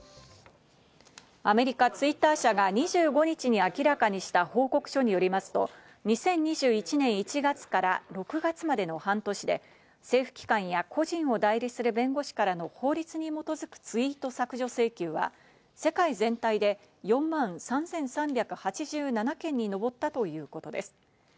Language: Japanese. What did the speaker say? アメリカ・Ｔｗｉｔｔｅｒ社が２５日に明らかにした報告書によりますと、２０２１年１月から６月までの半年で、政府機関や個人を代理する弁護士からの法律に基づくツイート削除請求は世界全体で４万３３８７件にのぼったということです。